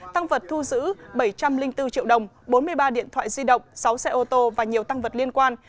tăng vật thu giữ bảy trăm linh bốn triệu đồng bốn mươi ba điện thoại di động sáu xe ô tô và nhiều tăng vật liên quan